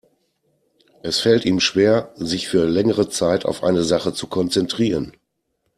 Es fällt ihm schwer, sich für längere Zeit auf eine Sache zu konzentrieren.